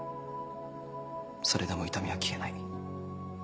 それでも痛みは消えない。